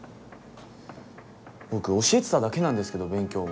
僕教えてただけなんですけど勉強をむしろ。